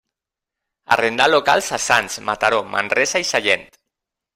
Arrendà locals a Sants, Mataró, Manresa i Sallent.